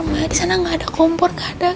emak disana ga ada kompor ga ada gas